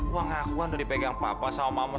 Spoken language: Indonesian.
uang akuan udah dipegang papa sama mama